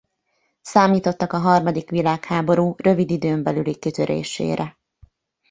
Számítottak a harmadik világháború rövid időn belüli kitörésére.